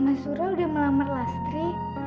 mas surah udah melamar lastri